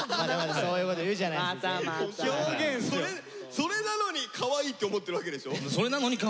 それなのにかわいいって思ってるわけでしょ。